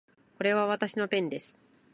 これはわたしのペンです